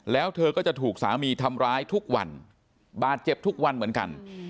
แล้วเธอก็จะถูกสามีทำร้ายทุกวันบาดเจ็บทุกวันเหมือนกัน